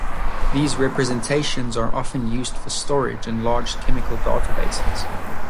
These representations are often used for storage in large chemical databases.